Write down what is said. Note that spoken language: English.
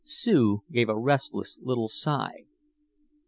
Sue gave a restless little sigh.